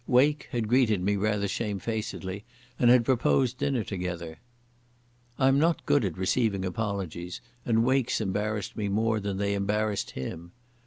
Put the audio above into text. Wake had greeted me rather shamefacedly and had proposed dinner together. I am not good at receiving apologies, and Wake's embarrassed me more than they embarrassed him.